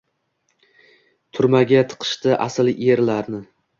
Turmaga tiqishdi asl erlarni